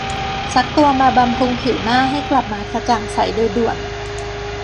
สักตัวมาบำรุงผิวหน้าให้กลับมากระจ่างใสโดยด่วน